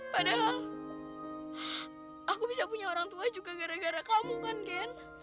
padahal aku bisa punya orang tua juga gara gara kamu kan ken